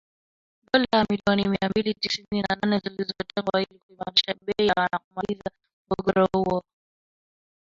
dola milioni mia mbili tisini na nane zilizotengwa ili kuimarisha bei na kumaliza mgogoro huo